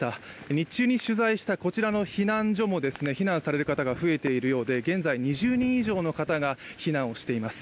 日中に取材したこちらの避難所も避難される方が増えているようで現在２０人以上の人が避難をしています。